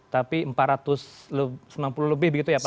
tapi empat ratus sembilan puluh lebih begitu ya pak